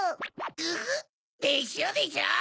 グフっ！でしょでしょ？